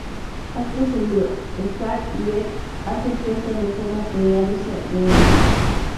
Acto seguido, Scar y Ed hacen puesta en escena apoderándose de Envy.